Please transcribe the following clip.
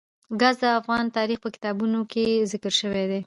ګاز د افغان تاریخ په کتابونو کې ذکر شوی دي.